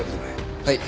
はい。